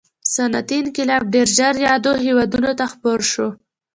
صنعتي انقلاب ډېر ژر یادو هېوادونو ته خپور شو.